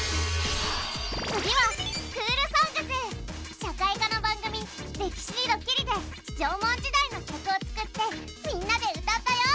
次は社会科の番組「歴史にドキリ」で縄文時代の曲を作ってみんなで歌ったよ。